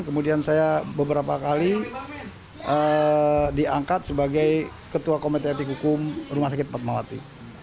kemudian saya beberapa kali diangkat sebagai ketua komite etik hukum rumah sakit fatmawati